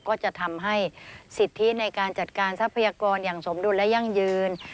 ก็จะทำให้สิทธิในการจัดการทรัพยากรอย่างสมดุลและยั่งยืน